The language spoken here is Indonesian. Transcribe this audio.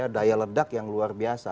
daya ledak yang luar biasa